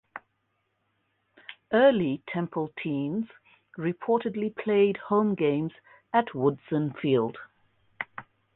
Early Temple teams reportedly played home games at Woodson Field.